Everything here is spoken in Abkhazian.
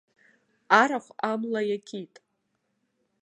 Арахә амла иакит.